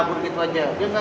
jadi gue ikutan juga